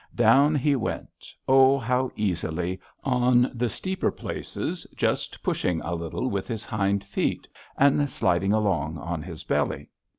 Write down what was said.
Down he went, oh, how easily, on the steeper places just pushing a little with his hind feet and sliding along on his belly.